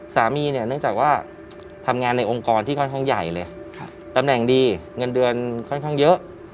สามีเนี่ยเนื่องจากว่าทำงานในองค์กรที่ค่อนข้างใหญ่เลยตำแหน่งดีเงินเดือนค่อนข้างเยอะ